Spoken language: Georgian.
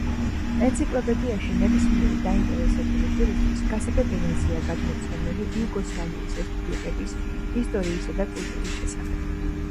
ენციკლოპედიაში ნებისმიერი დაინტერესებული პირისთვის გასაგებ ენაზეა გადმოცემული იუგოსლავიის რესპუბლიკების ისტორიისა და კულტურის შესახებ.